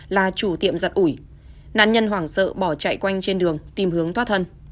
là chủ tiệm giật ủi nạn nhân hoảng sợ bỏ chạy quanh trên đường tìm hướng thoát thân